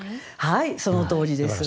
はいそのとおりです。